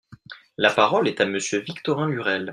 La parole est à Monsieur Victorin Lurel.